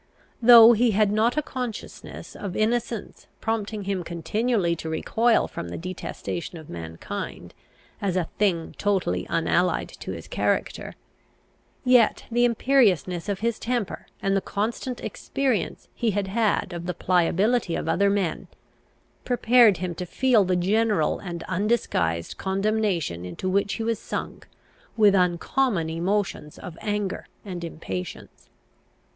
Though he had not a consciousness of innocence prompting him continually to recoil from the detestation of mankind as a thing totally unallied to his character, yet the imperiousness of his temper and the constant experience he had had of the pliability of other men, prepared him to feel the general and undisguised condemnation into which he was sunk with uncommon emotions of anger and impatience.